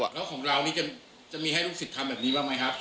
แล้วของเรานี่จะมีให้ลูกศิษย์ทำแบบนี้บ้างไหมครับ